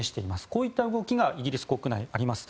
こういった動きがイギリス国内、あります。